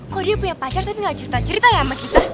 kok dia punya pacar tapi gak cerita cerita ya sama kita